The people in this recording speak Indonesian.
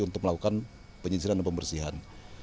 untuk melakukan penyisiran dan pembersihan